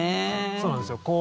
そうなんですよ。